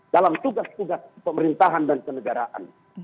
dalam tugas tugas pemerintahan dan kenegaraan